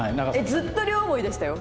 ずっと両思いでしたよ。